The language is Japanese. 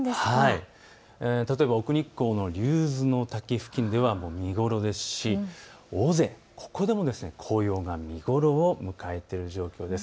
例えば、奥日光の竜頭滝付近では見頃ですし、尾瀬、ここでも紅葉が見頃を迎えている状況です。